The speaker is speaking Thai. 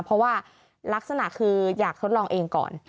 เพราะว่าลักษณะคืออยากทดลองเองก่อน